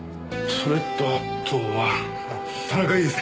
それとあとは田中裕介。